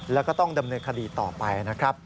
แล้วก็ต้องดำเนินคดีต่อไปนะครับ